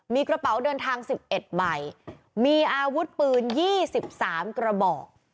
มีกระเป๋าเดินทางสิบเอ็ดใบมีอาวุธปืนยี่สิบสามกระบอก